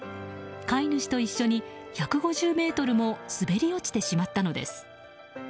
飼い主と一緒に１５０ｍも滑り落ちてしまったのです。